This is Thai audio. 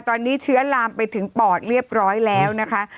ตอนนี้เชื้อลามไปถึงปอดเรียบร้อยแล้วนะคะ